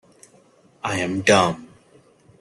I am dumb.